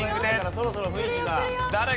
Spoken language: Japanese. そろそろ雰囲気が。